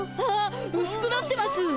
あうすくなってます！